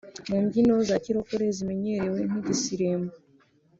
mu mbyino za kirokore zimenyerewe nk’igisirimba